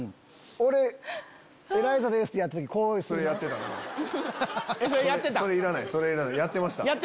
やってました。